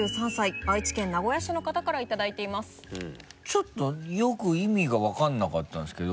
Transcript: ちょっとよく意味が分かんなかったんですけど。